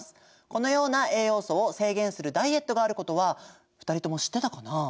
このような栄養素を制限するダイエットがあることは２人とも知ってたかな？